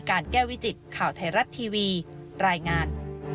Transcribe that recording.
แก้วิจิตข่าวไทยรัฐทีวีรายงาน